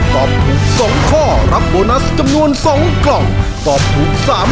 ครอบครัวของแม่ปุ้ยจังหวัดสะแก้วนะครับ